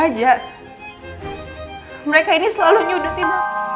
mereka ini selalu nyudutin